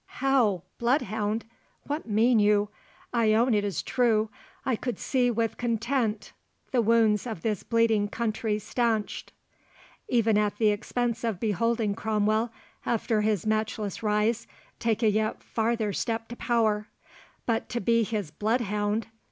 "How! bloodhound?—what mean you?—I own it is true I could see with content the wounds of this bleeding country stanched, even at the expense of beholding Cromwell, after his matchless rise, take a yet farther step to power—but to be his bloodhound!